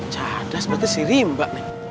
cadas betul sih rimba